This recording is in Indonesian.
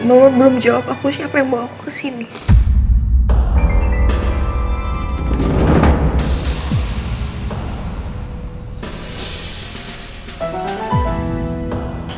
mbak mama belum jawab aku siapa yang bawa gue ke sini